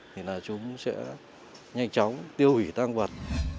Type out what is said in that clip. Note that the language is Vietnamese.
thì là chúng sẽ nhanh chóng tiêu hủy tăng vật